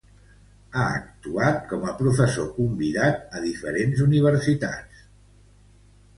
Ha actuat com a professor convidat a diferents universitats espanyoles i estrangeres.